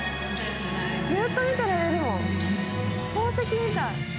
ずっと見ていられるもん、宝石みたい。